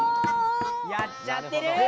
やっちゃってる！